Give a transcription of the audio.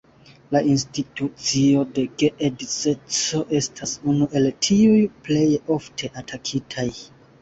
La institucio de geedzeco estas unu el tiuj plej ofte atakitaj.